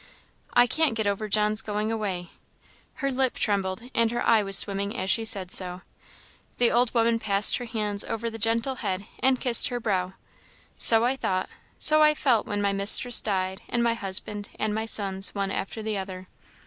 "I can't get over John's going away." Her lip trembled and her eye was swimming as she said so. The old woman passed her hands over the gentle head, and kissed her brow. "So I thought so I felt, when my mistress died, and my husband, and my sons, one after the other.